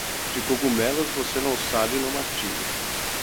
De cogumelos você não sabe, não mastiga.